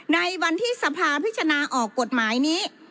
ในวันที่สภาพิจารณาออกกฎหมายนี้